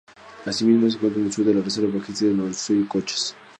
Asimismo, se encuentra al sur de la Reserva Paisajística Nor Yauyos-Cochas.